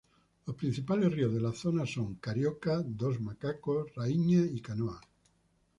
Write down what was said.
Los principales ríos de la zona son: Carioca, dos Macacos, Rainha y Canoas.